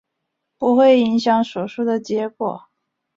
不会影响手术的结果。